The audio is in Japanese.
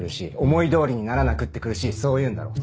思い通りにならなくって苦しいそういうんだろ？